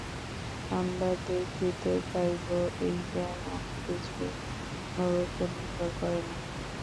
আমরা দেখিতে পাইব, এই জ্ঞান অন্য কিছুর উপর নির্ভর করে না।